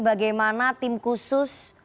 bagaimana tim khusus